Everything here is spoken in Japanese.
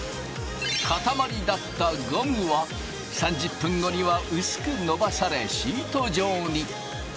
塊だったゴムは３０分後には薄くのばされシート状に。